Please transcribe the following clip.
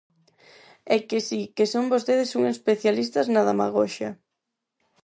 E que si que son vostedes uns especialistas na demagoxia.